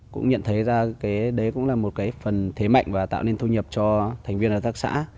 cũng nhận thấy ra cái đấy cũng là một cái phần thế mạnh và tạo nên thu nhập cho thành viên hợp tác xã